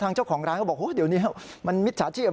เจ้าของร้านก็บอกเดี๋ยวนี้มันมิจฉาชีพ